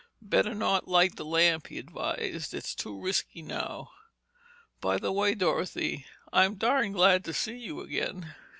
"Better not light the lamp," he advised, "it's too risky now. By the way, Dorothy, I'm darn glad to see you again."